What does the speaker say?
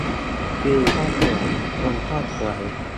วิวก็สวย คนก็สวย